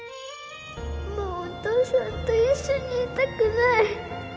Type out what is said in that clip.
もうお父さんと一緒にいたくない。